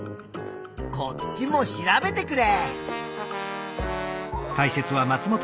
こっちも調べてくれ。